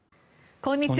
こんにちは。